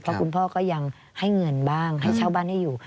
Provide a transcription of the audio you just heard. เพราะคุณพ่อก็ยังให้เงินบ้างให้เช่าบ้านให้อยู่